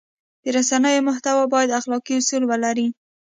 د رسنیو محتوا باید اخلاقي اصول ولري.